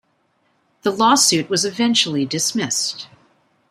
The lawsuit was eventually dismissed.